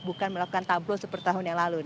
bukan melakukan tablos seperti tahun yang lalu